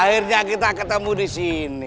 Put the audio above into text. akhirnya kita ketemu disini